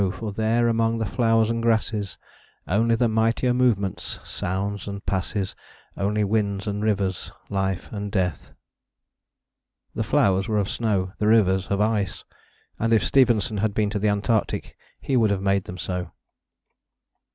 for there among the flowers and grasses, Only the mightier movement sounds and passes; Only winds and rivers, Life and death. The flowers were of snow, the rivers of ice, and if Stevenson had been to the Antarctic he would have made them so.